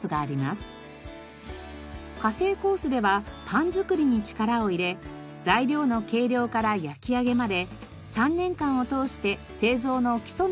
家政コースではパン作りに力を入れ材料の計量から焼き上げまで３年間を通して製造の基礎などを学びます。